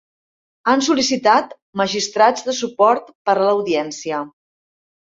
Han sol·licitat magistrats de suport per a l'Audiència.